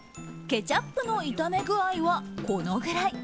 ケチャップの炒め具合はこのぐらい。